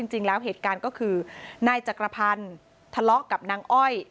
จริงแล้วเหตุการณ์ก็คือนายจักรพันธ์ทะเลาะกับนางอ้อย